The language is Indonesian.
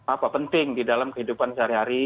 apa penting di dalam kehidupan sehari hari